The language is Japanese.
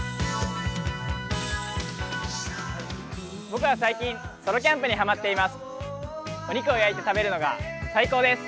僕は最近、ソロキャンプにハマっています。